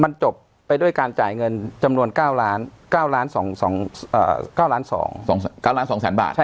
มันจบไปด้วยการจ่ายเงินจำนวน๙๒๐๐๐บาท